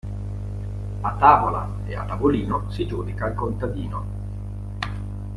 A tavola e a tavolino si giudica il contadino.